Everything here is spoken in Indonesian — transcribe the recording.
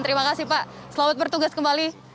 terima kasih pak selamat bertugas kembali